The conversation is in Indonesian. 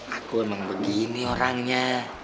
aku emang begini orangnya